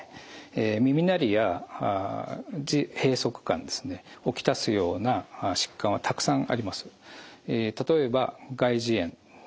耳鳴りや耳閉塞感を来すような疾患はたくさんあります。